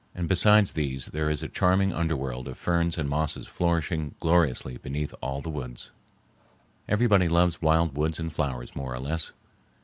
And besides these there is a charming underworld of ferns and mosses flourishing gloriously beneath all the woods. Everybody loves wild woods and flowers more or less.